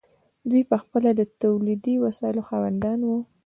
دوی پخپله د تولیدي وسایلو خاوندان وو.